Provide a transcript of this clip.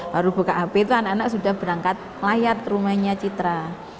baru buka hp itu anak anak sudah berangkat layak ke rumahnya citra